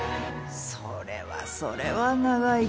それはそれは長い期間